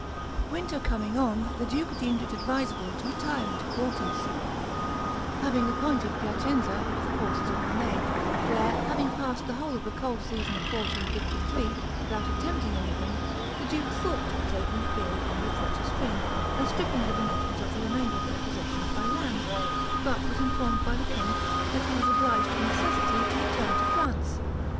Winter coming on, the duke deemed it advisable to retire into quarters, and appointed Piacenza for the forces of René, where, having passed the whole of the cold season of 1453, without attempting anything, the duke thought of taking the field, on the approach of spring, and stripping the Venetians of the remainder of their possessions by land, but was informed by the king that he was obliged of necessity to return to France.